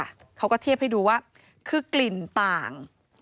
เขาก็เทียบให้ดูว่าคือกลิ่นต่าง